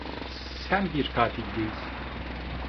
Sen bir katil değilsin.